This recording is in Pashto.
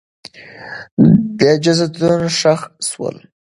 جسدونه ښخ سول.